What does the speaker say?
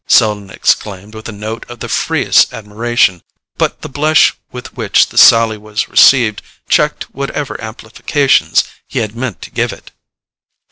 Selden exclaimed with a note of the freest admiration but the blush with which the sally was received checked whatever amplifications he had meant to give it.